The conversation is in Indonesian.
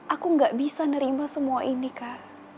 aku gak bisa nerima semua ini kak